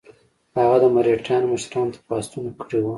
هغه د مرهټیانو مشرانو ته خواستونه کړي وه.